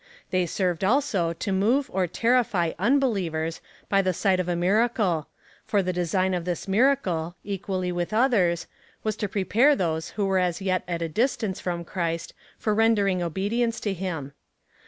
They served also to move or terrify unbelievers by the sight of a miracle — for the design of this miracle, equally with others, was to prepare those who were as yet at a distance from Christ for rendering obedience to him.